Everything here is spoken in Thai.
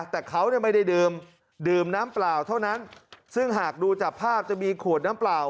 แต่เขาเนี่ยไม่ได้ดื่มดื่มน้ำเปล่าเท่านั้นซึ่งหากดูจากภาพจะมีขวดน้ำเปล่า